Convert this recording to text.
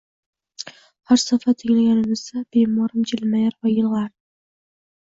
Har safar tinglaganimizda bemorim jilmayar va yig`lardi